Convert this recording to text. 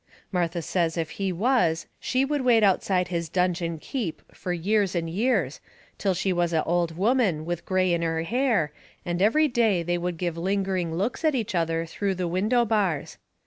Martha says if he was she would wait outside his dungeon keep fur years and years, till she was a old woman with gray in her hair, and every day they would give lingering looks at each other through the window bars.